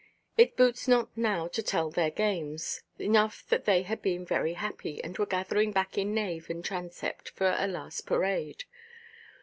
It boots not now to tell their games; enough that they had been very happy, and were gathering back in nave and transept for a last parade.